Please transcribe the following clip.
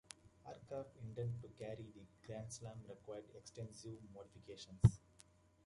Aircraft intended to carry the "Grand Slam" required extensive modifications.